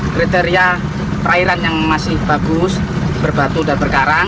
kriteria perairan yang masih bagus berbatu dan berkarang